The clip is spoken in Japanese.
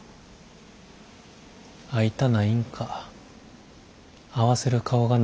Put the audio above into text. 会いたないんか合わせる顔がないんか。